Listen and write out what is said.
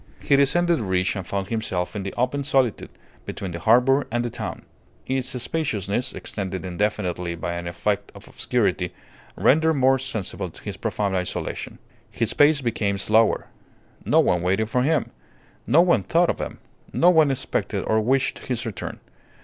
He descended the ridge and found himself in the open solitude, between the harbour and the town. Its spaciousness, extended indefinitely by an effect of obscurity, rendered more sensible his profound isolation. His pace became slower. No one waited for him; no one thought of him; no one expected or wished his return.